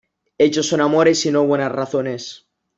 Hechos son amores y no buenas razones.